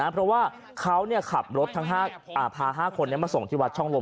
เพราะว่าเขาขับรถทั้งพา๕คนมาส่งที่วัดช่องลม